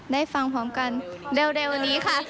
ได้ฟังพร้อมกันเร็วนี้ค่ะ